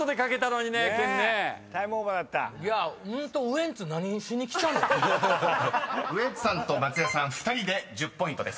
［ウエンツさんと松也さん２人で１０ポイントです］